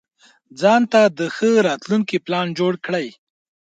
ځانته د ښه راتلونکي پلان جوړ کړئ.